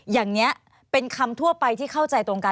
อย่างนี้เป็นคำทั่วไปที่เข้าใจตรงกัน